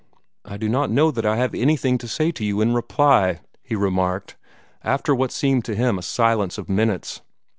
"I do not know that I have anything to say to you in reply," he remarked, after what seemed to him a silence of minutes.